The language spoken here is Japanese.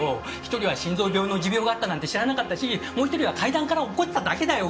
１人は心臓病の持病があったなんて知らなかったしもう１人は階段から落っこちただけだよ。